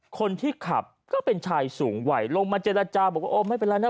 คนที่ขับก็เป็นชายสูงวัยลงมาเจรจาบอกว่าโอ้ไม่เป็นไรนะ